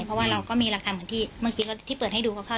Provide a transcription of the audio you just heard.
เพราะว่าเราก็มีหลักฐานเหมือนที่เมื่อกี้ที่เปิดให้ดูก็เข้า